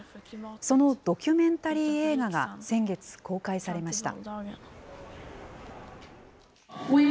そのドキュメンタリー映画が先月、公開されました。